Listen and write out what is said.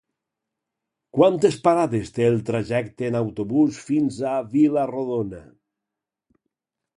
Quantes parades té el trajecte en autobús fins a Vila-rodona?